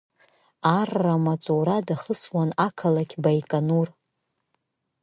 Аррамаҵура дахысуан ақалақь Баиканур.